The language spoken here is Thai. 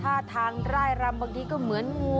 ท่าทางร่ายรำบางทีก็เหมือนงู